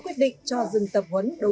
nhất là trong công tác phối hợp